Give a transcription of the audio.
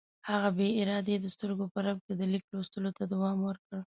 هغه بې ارادې د سترګو په رپ کې د لیک لوستلو ته دوام ورکړ.